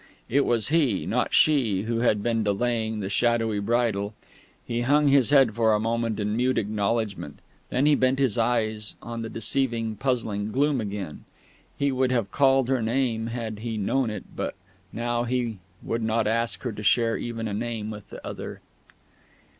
It was he, not she, who had been delaying the shadowy Bridal; he hung his head for a moment in mute acknowledgment; then he bent his eyes on the deceiving, puzzling gloom again. He would have called her name had he known it but now he would not ask her to share even a name with the other....